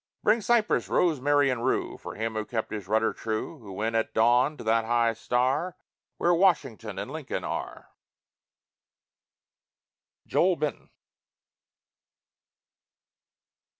Bring cypress, rosemary and rue For him who kept his rudder true; Who went at dawn to that high star Where Washington and Lincoln are. JOEL BENTON.